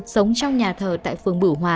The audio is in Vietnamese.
sống trong nhà thờ tại phường bửu hòa